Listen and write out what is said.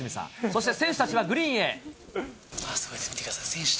そして、選手たちはグリーンへ。